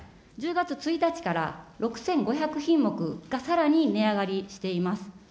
１０月１日から、６５００品目がさらに値上がりしています。